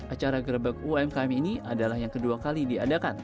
acara gerebek umkm ini adalah yang kedua kali diadakan